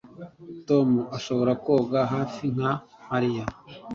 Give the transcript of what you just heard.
Tom arashobora koga hafi nka Mariya